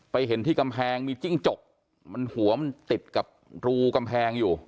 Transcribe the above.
เห็นที่กำแพงมีจิ้งจกมันหัวมันติดกับรูกำแพงอยู่